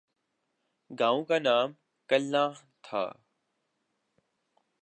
گاؤں کا نام کلاں تھا ۔